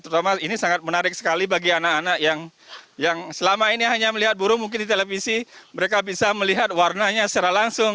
terutama ini sangat menarik sekali bagi anak anak yang selama ini hanya melihat burung mungkin di televisi mereka bisa melihat warnanya secara langsung